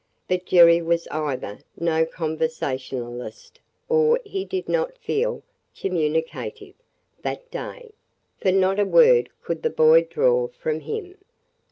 But Jerry was either no conversationalist or he did not feel communicative that day, for not a word could the boy draw from him.